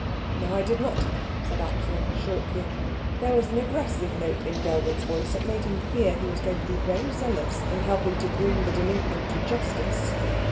"No, I did not," said Axel shortly. There was an aggressive note in Dellwig's voice that made him fear he was going to be very zealous in helping to bring the delinquent to justice.